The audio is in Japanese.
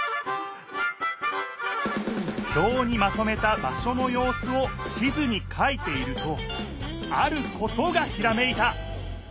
ひょうにまとめた場所のようすを地図にかいているとあることがひらめいた！